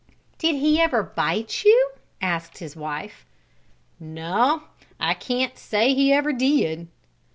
"Did he ever bite you?" asked his wife. "No, I can't say he ever did."